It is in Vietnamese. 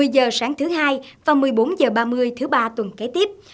một mươi h sáng thứ hai và một mươi bốn h ba mươi thứ ba tuần kế tiếp